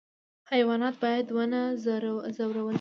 حیوانات باید ونه ځورول شي